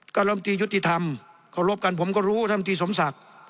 ก็ลำตียุติธรรมเคารพกันผมก็รู้ท่านตีสมศักดิ์